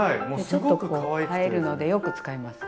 ちょっと映えるのでよく使います。